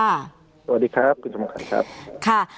สวัสดีครับคุณจังหวังค่ะ